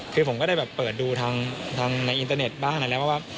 คือผมก็ได้แบบเปิดดูทางในอินเตอร์เน็ตบ้างอะไรแล้วว่า